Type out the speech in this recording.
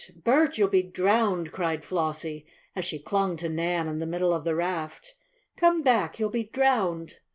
Bert! You'll be drowned!" cried Flossie, as she clung to Nan in the middle of the raft. "Come back, you'll be drowned!"